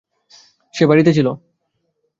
সে বাড়িতে ছিল।